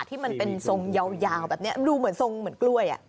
ที่มันเป็นทรงยาวแบบนี้มันดูเหมือนทรงเหมือนกล้วย